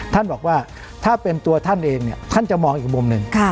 ท่านบอกว่าถ้าเป็นตัวท่านเองเนี่ยท่านจะมองอีกมุมหนึ่ง